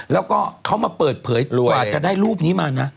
แล้วก็เขามาเปิดเผยกว่าจะได้รูปนี้มานะ